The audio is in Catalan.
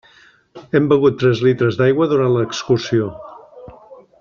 Hem begut tres litres d'aigua durant l'excursió.